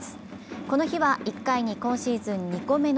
この日は１回に今シーズン２個目の